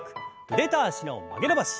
腕と脚の曲げ伸ばし。